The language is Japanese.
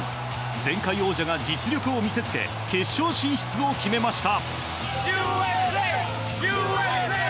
前回王者が実力を見せつけ決勝進出を決めました。